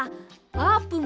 あーぷん！